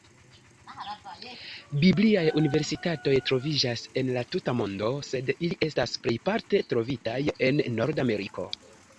Bibliaj universitatoj troviĝas en la tuta mondo, sed ili estas plejparte trovitaj en Nordameriko.